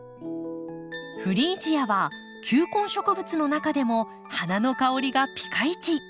フリージアは球根植物の中でも花の香りがぴかいち。